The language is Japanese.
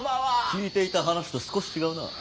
聞いていた話と少し違うなあ。